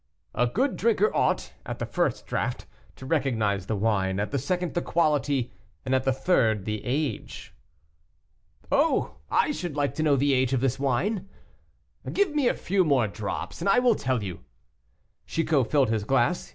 "A good drinker ought, at the first draught, to recognize the wine, at the second, the quality, and, at the third, the age." "Oh! I should like to know the age of this wine." "Give me a few drops more, and I will tell you." Chicot filled his glass.